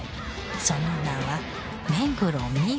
その名は目黒澪